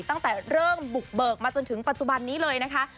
ตั้งแต่เริ่มบุกเบิกมาจนถึงปัจจุบันนี้เลยนะคะ